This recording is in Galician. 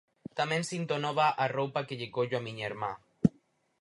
Tamén sinto nova a roupa que lle collo a miña irmá.